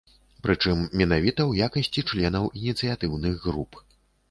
Прычым, менавіта ў якасці членаў ініцыятыўных груп.